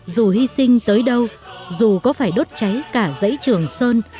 dù hy sinh tới đâu dù có phải đốt cháy cả dãy trường sơn